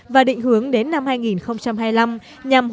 và định hướng đến năm hai nghìn hai mươi năm